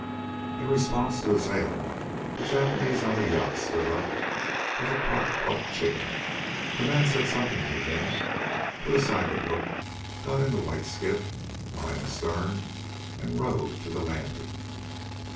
In response to his hail, the Japanese on the yacht stood up with the part plucked chicken. The man said something to him, put aside the book, got into the white skiff lying astern, and rowed to the landing.